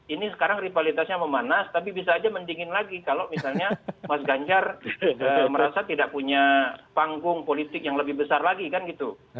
ini sekarang rivalitasnya memanas tapi bisa aja mendingin lagi kalau misalnya mas ganjar merasa tidak punya panggung politik yang lebih besar lagi kan gitu